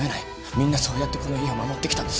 みんなそうやってこの家を守ってきたんです。